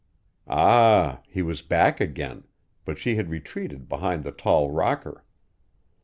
Ah, he was back again, but she had retreated behind the tall rocker.